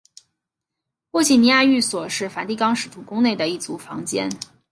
波吉亚寓所是梵蒂冈使徒宫内的一组房间。